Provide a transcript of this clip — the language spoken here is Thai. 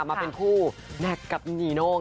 มาเป็นผู้แมคกับนี่โนน่ะ